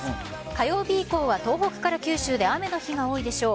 火曜日以降は東北から九州で雨の日が多いでしょう。